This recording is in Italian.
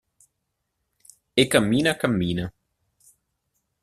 E cammina cammina.